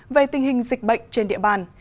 về tình hình dịch bệnh trên địa bàn